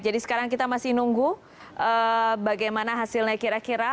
sekarang kita masih nunggu bagaimana hasilnya kira kira